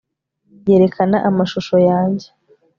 yerekana amashusho yanjye